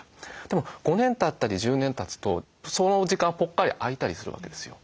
でも５年たったり１０年たつとその時間はぽっかり空いたりするわけですよ。